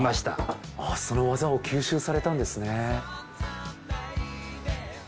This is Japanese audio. その技を吸収されたんですね。